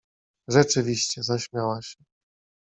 — Rzeczywiście! — zaśmiała się.